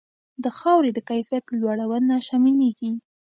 د خاورې د کیفیت لوړونه شاملیږي.